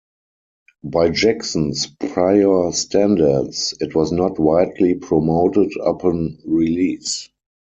By Jackson's prior standards, it was not widely promoted upon release.